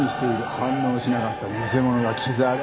反応しなかった偽者が木沢だ。